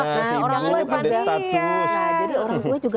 si ibu ada status